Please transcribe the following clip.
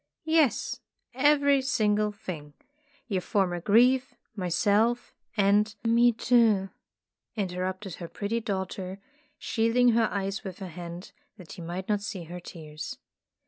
"Yes, every single thing. Your former grief, myself, and "—" Me, too," interrupted her pretty daugh 356 Tales of Modern Germany ter, shielding her eyes with her hand, that he might not see her tears.